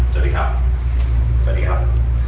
สวัสดีครับสวัสดีครับ